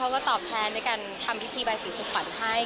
เขาก็ตอบแทนด้วยการทำพิธีบายศิษย์สุขภัณฑ์ให้